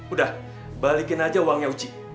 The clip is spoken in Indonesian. udah balikin aja uangnya uji